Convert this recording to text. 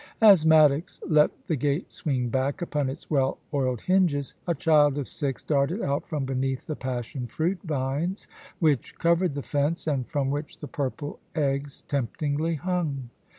As Maddox let the gate swing back upon its well oiled hinges, a child of six darted out from beneath the passion fruit vines which covered the fence, and from which the purple eggs temptingly hung.